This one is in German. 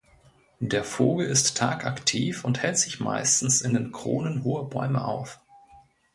Der Vogel ist tagaktiv und hält sich meistens in den Kronen hoher Bäume auf.